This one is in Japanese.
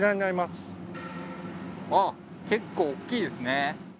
あっ結構大きいですね。